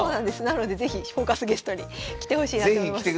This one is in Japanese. なので是非「フォーカス」ゲストに来てほしいなと思います。